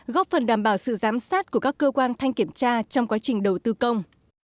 góp phần đảm bảo sự giám sát của các cơ quan thanh kiểm tra trong quá trình đầu tư công